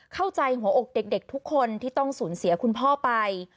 เข้าใจหัวอกเด็กทุกคนที่ต้องสูญเสียคุณพ่อไป